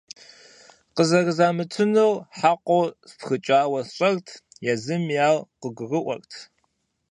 Къызэрызамытынур хьэкъыу спхыкӀауэ сщӀэрт, езыми ар къыгурыӀуэрт.